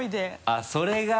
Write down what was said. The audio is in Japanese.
あっそれが？